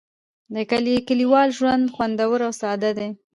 د کلیوال ژوند خوندور او ساده دی.